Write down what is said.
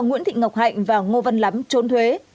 nguyễn thị ngọc hạnh và ngô văn lắm trốn thuế